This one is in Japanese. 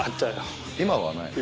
今はないの？